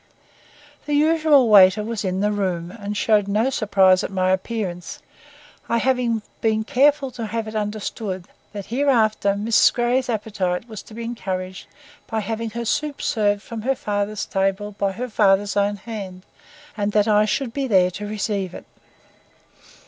The usual waiter was in the room and showed no surprise at my appearance, I having been careful to have it understood that hereafter Miss Grey's appetite was to be encouraged by having her soup served from her father's table by her father's own hands, and that I should be there to receive it.